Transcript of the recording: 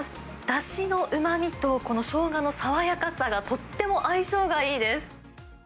だしのうまみと、このしょうがの爽やかさがとっても相性がいいです。